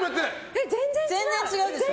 全然違うでしょ。